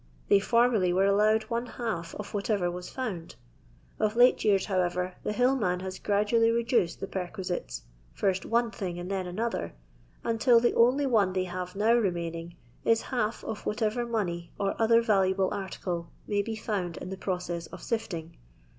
They formerly were allowed one half of whatever was found; of Ute years, however, the hill man has gradually reduced the perquisites " firtt one thing and then another," until the only one they have now remaining is half of whatever money or other valuable article may be found in the process of sifting.